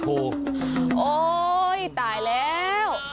โอ๊ยตายแล้ว